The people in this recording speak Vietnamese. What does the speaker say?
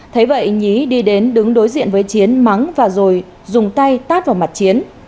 thấy vậy nhí đi đến đứng đối diện với chiến mắng và rồi dùng tay tát vào mặt chiến